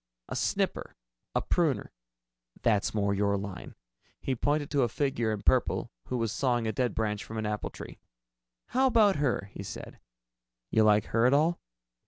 A snipper, a pruner that's more your line." He pointed to a figure in purple who was sawing a dead branch from an apple tree. "How about her?" he said. "You like her at all?"